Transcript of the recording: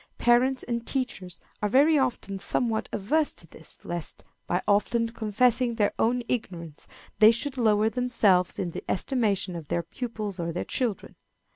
Parents and teachers are very often somewhat averse to this, lest, by often confessing their own ignorance, they should lower themselves in the estimation of their pupils or their children.